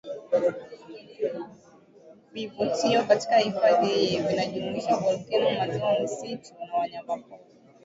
vivutio katika hifadhi hii vinajumuisha volkeno maziwa misitu na wanyamapori